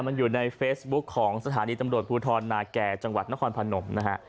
มันอยู่ในเฟซบุ๊คของสถานีตำรวจภูทรนาแก่จังหวัดนครพนมนะฮะ